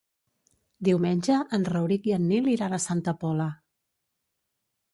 Diumenge en Rauric i en Nil iran a Santa Pola.